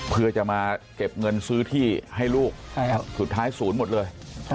เพื่อจะมาเก็บเงินซื้อที่ให้ลูกสุดท้ายศูนย์หมดเลย